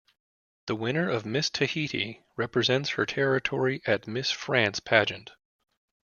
The winner of Miss Tahiti represents her territory at Miss France pageant.